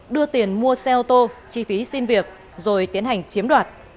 đưa tiền mua xe ô tô chi phí xin việc rồi tiến hành chiếm đoạt